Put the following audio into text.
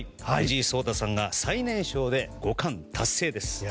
藤井聡太さんが最年少で五冠達成です。